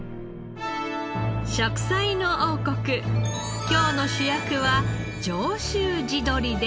『食彩の王国』今日の主役は上州地鶏です。